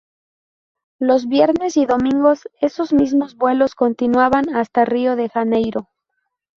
Los viernes y domingos, esos mismos vuelos continuaban hasta Río de Janeiro.